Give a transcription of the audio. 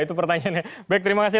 itu pertanyaannya baik terima kasih